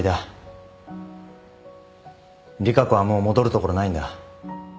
利佳子はもう戻るところないんだ。